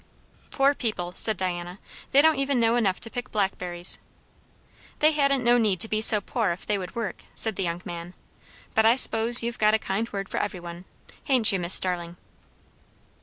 "Poor people!" said Diana. "They don't even know enough to pick blackberries." "They hadn't no need to be so poor ef they would work," said the young man. "But I s'pose you've got a kind word for every one, ha'n't you, Miss Starling?"